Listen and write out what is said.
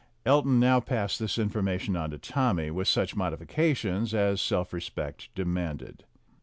Elton now passed this information on to Tommy, with such modifications as self respect demanded.